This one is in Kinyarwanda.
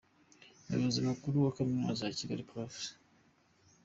Umuyobozi Mukuru wa Kaminuza ya Kigali, Prof.